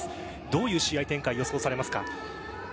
どういう試合展開を予想されますか？